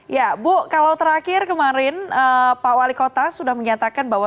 ya bu kalau terakhir kemarin pak wali kota sudah menyatakan bahwa